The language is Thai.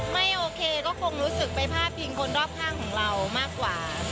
ไม่โอเคก็คงรู้สึกไปพาดพิงคนรอบข้างของเรามากกว่า